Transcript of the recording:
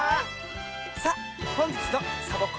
さあほんじつの「サボ子のおうち」